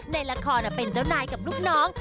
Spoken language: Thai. ในละครเป็นเจ้านายกับลูกน้อง